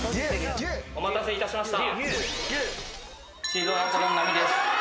お待たせいたしました。